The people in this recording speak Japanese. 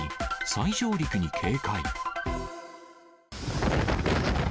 再上陸に警戒。